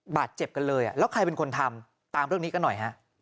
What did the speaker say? บาดเจ็บกันเลยแล้วใครเป็นคนทำตามเรื่องนี้กันหน่อยฮะ